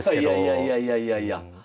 いやいやいやいやいや。